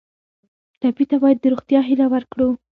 ټپي ته باید د روغتیا هیله ورکړو.